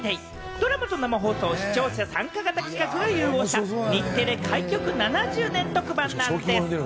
ドラマと生放送、視聴者参加型企画が融合した日テレ開局７０年特番なんでぃす。